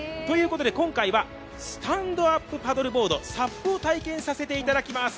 今回はスタンドアップパドルボード、ＳＵＰを体験させていただきます。